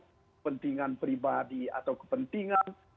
kepentingan pribadi atau kepentingan